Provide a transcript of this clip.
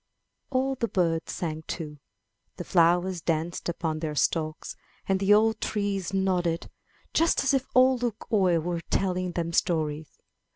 '* All the birds sang too, the flowers danced upon their stalks, and the old trees nodded, just as if Ole Luk oie were telling them stories.